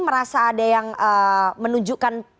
merasa ada yang menunjukkan